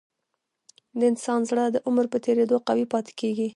د انسان زړه د عمر په تیریدو قوي پاتې کېږي.